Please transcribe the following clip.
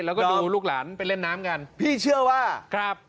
แล้วก็ดูลูกหลานไปเล่นน้ำกันพี่เชื่อว่าครับ